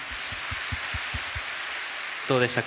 どうでしたか。